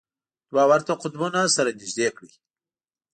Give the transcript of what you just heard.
دوه ورته قطبونه سره نژدې کړئ.